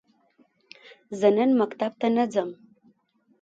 زه نن مکتب ته نه ځم.